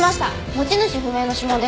持ち主不明の指紋ですけど。